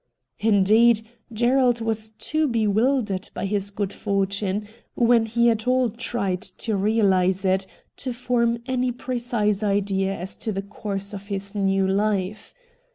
Indeed, Gerald was too bewildered by his good fortune, when he at all tried to realise it, to form any very precise idea as to the course of his new life.